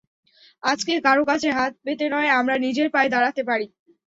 আজকে কারও কাছে হাত পেতে নয়, আমরা নিজের পায়ে দাঁড়াতে পারি।